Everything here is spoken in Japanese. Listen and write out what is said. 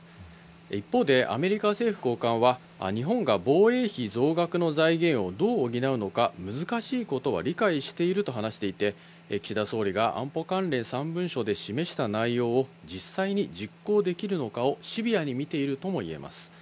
一方で、アメリカ政府高官は、日本が防衛費増額の財源をどう補うのか、難しいことは理解していると話していて、岸田総理が安保関連３文書で示した内容を、実際に実行できるのかをシビアに見ているともいえます。